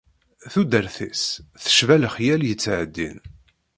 Tudert-is tecba lexyal yettɛeddin.